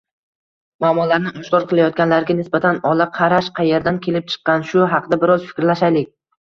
muammolarni oshkor qilayotganlarga nisbatan ola qarash qayerdan kelib chiqqan? Shu haqda biroz fikrlashaylik.